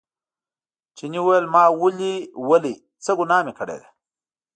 چیني وویل ما ولې ولئ څه ګناه مې کړې ده.